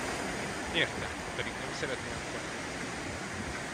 Értem, ha pedig nem szeretné, akkor lehet!